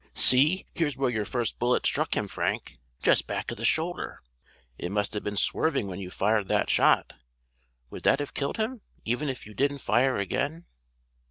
"See, here's where your first bullet struck him, Frank—just back of the shoulder. He must have been swerving when you fired that shot Would that have killed him, even if you didn't fire again?"